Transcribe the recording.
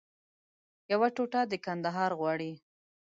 یوه ټوټه د کندهار غواړي